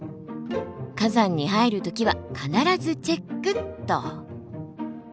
火山に入る時は必ずチェックと。